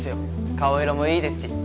顔色もいいですし。